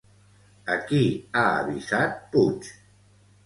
A qui ha avisat Puig?